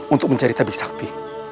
untuk mencari tabik sakti